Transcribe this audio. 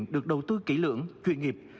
được đầu tư kỹ lưỡng chuyên nghiệp